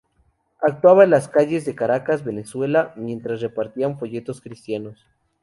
Actuaban en las calles de Caracas, Venezuela mientras repartían folletos cristianos.